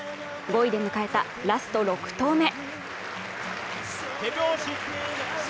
５位で迎えたラスト６投目。